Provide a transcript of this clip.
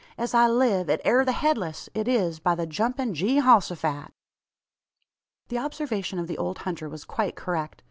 As I live, it air the Headless! It is, by the jumpin' Geehosophat!" The observation of the old hunter was quite correct.